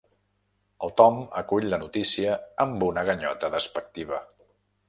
El Tom acull la notícia amb una ganyota despectiva.